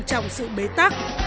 cũng bị bế tắc